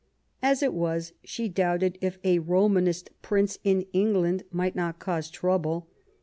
As it was, she doubted if a Romanist Prince in England might not cause trouble.